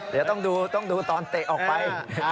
เดี๋ยวต้องดูตอนเตะออกไป